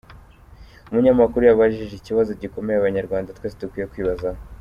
Umunyamakuru yabajije ikibazo gikomeye abanyarwanda twese dukwiye kwibazaho: